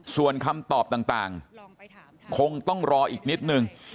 ส่วนคำตอบต่างคงต้องรออีกนิดนึง